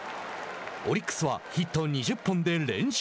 オリックスはヒット２０本で連勝。